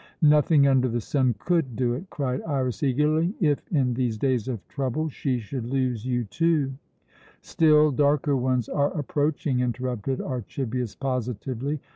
"Nothing under the sun could do it," cried Iras eagerly. "If, in these days of trouble, she should lose you too " "Still darker ones are approaching," interrupted Archibius positively.